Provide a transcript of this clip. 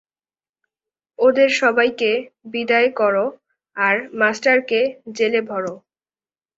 ওদের সবাইকে বিদায় করো আর মাস্টারকে জেলে ভরো।